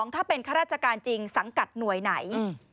ถ้าเป็นข้าราชการจริงสังกัดหน่วยไหน